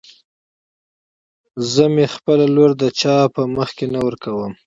زه مې خپله لور د چا په مخکې نه ورکم.